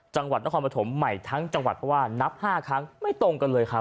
จังหวัดนครปฐมใหม่ทั้งจังหวัดเพราะว่านับ๕ครั้งไม่ตรงกันเลยครับ